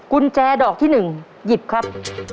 กุญแจดอกที่๑หยิบครับ